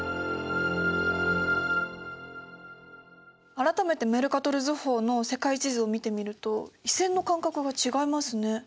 改めてメルカトル図法の世界地図を見てみると緯線の間隔が違いますね。